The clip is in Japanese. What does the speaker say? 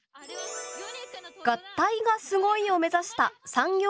「合体がすごい！」を目指した産業技術